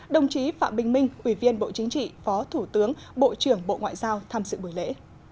đồng chí phạm bình minh ủy viên bộ chính trị phó thủ tướng bộ trưởng bộ ngoại giao tham dự buổi lễ